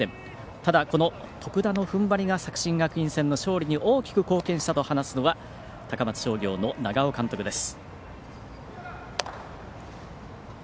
ただ、この徳田の踏ん張りが作新学院戦の勝利に大きく貢献したと話すのは高松商業の長尾監督です。